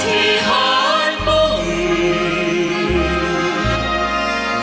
ถึงทันทองทรมานมาเท่าใด